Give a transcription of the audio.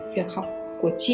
việc học của chị